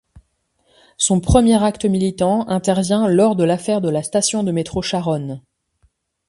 Son premier acte militant intervient lors de l'affaire de la station de métro Charonne.